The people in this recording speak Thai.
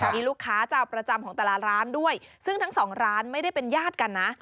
มีลูกค้าเจ้าประจำของแต่ละร้านด้วยซึ่งทั้งสองร้านไม่ได้เป็นญาติกันนะ